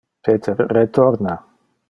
Peter retorna.